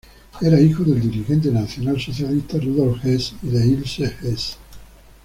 Era hijo del dirigente nacionalsocialista Rudolf Hess y de Ilse Hess.